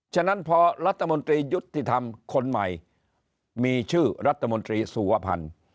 ฉะนั้นพอรัฐมนตรียุติธรรมคนใหม่มีชื่อรัฐมนตรีสุวพันธ์